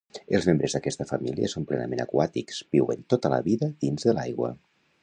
Els membres d'aquesta família són plenament aquàtics, viuen tota la vida dins de l'aigua.